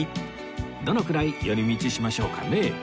どのくらい寄り道しましょうかね